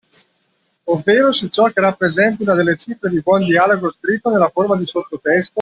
Ovvero su ciò che rappresenta una delle cifre di un buon dialogo scritto nella forma di sottotesto.